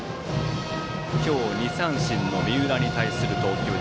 今日２三振の三浦に対する投球。